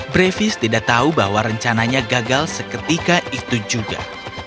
brevis tidak tahu bahwa rencananya gagal seketika itu juga